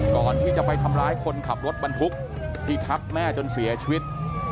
ก่อนที่จะไปทำร้ายคนขับรถบรรทุกที่ทับแม่จนเสียชีวิต